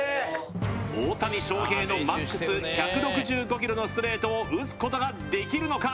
大谷翔平のＭＡＸ１６５キロのストレートを打つことができるのか？